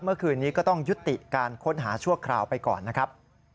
เมื่อคืนนี้ก็ต้องยุติการค้นหาชั่วคราวไปก่อนนะครับ